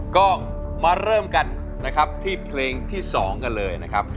ก็มาเริ่มกันนะครับที่เพลงที่๒กันเลยนะครับ